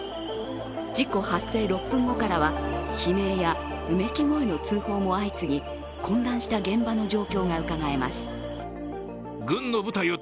事故発生６分後からは悲鳴やうめき声の通報も相次ぎ混乱した現場の状況がうかがえます。